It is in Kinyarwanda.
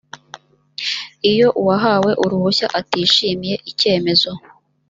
iyo uwahawe uruhushya atishimiye icyemezo